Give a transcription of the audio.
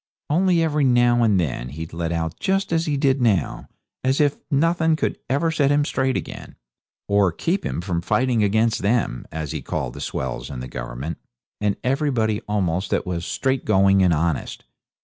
Only every now and then he'd let out just as he did now, as if nothing could ever set him straight again, or keep him from fighting against them, as he called the swells and the Government, and everybody almost that was straightgoing and honest.